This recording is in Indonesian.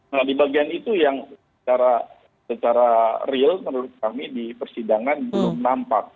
nah di bagian itu yang secara real menurut kami di persidangan belum nampak